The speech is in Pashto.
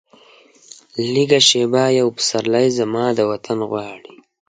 لږه شیبه یو پسرلی، زما د وطن غواړي